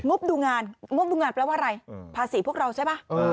บดูงานงบดูงานแปลว่าอะไรภาษีพวกเราใช่ป่ะ